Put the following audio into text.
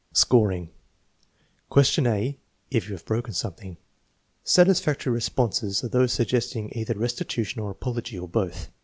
Scoring: Question a (If you haw "broken something) Satisfactory responses are those suggesting either restitution or apology, or both.